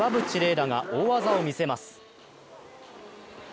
楽が大技を見せます。